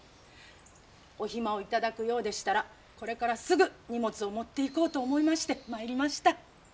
お暇を頂くようでしたらこれからすぐ荷物を持っていこうと思いまして参りました。